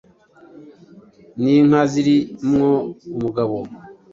Ninka ziri mwo umugabo